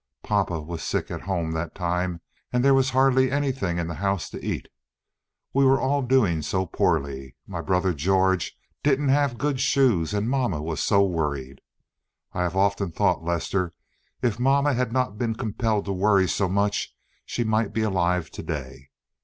Papa was sick at home that time, and there was hardly anything in the house to eat. We were all doing so poorly. My brother George didn't have good shoes, and mamma was so worried. I have often thought, Lester, if mamma had not been compelled to worry so much she might be alive to day.